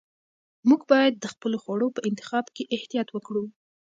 موږ باید د خپلو خوړو په انتخاب کې احتیاط وکړو.